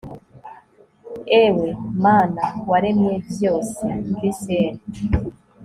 ewe mana waremye vyose, +r